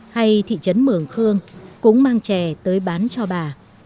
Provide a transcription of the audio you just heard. hay thị trấn mường khương cũng mang chè tới bán cho bà